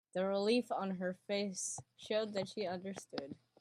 The relief on her face showed that she understood.